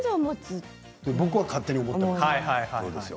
そう僕は勝手に思っています。